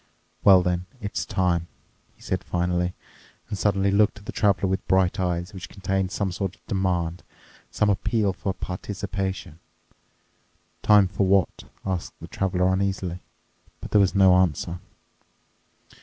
"Well then, it's time," he said finally and suddenly looked at the Traveler with bright eyes which contained some sort of demand, some appeal for participation. "Time for what?" asked the Traveler uneasily. But there was no answer.